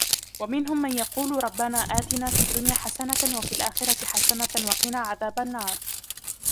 وَمِنْهُمْ مَنْ يَقُولُ رَبَّنَا آتِنَا فِي الدُّنْيَا حَسَنَةً وَفِي الْآخِرَةِ حَسَنَةً وَقِنَا عَذَابَ النَّارِ